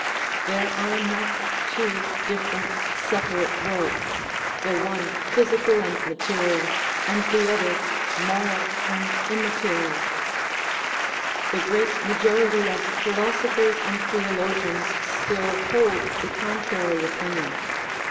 There are not two different, separate worlds the one physical and material, and the other moral and immaterial. 347 THE RIDDLE OF THE UNIVERSE The great majority of philosophers and theologians still hold the contrary opinion.